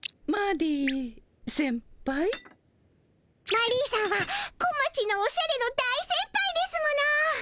マリーさんはこまちのおしゃれの大先輩ですもの。